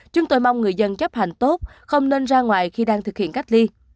chúng tôi mong người dân chấp hành tốt không nên ra ngoài khi đang thực hiện cách ly